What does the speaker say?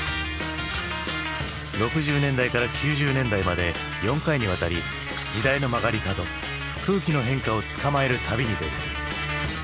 ６０年代から９０年代まで４回にわたり時代の曲がり角空気の変化をつかまえる旅に出る。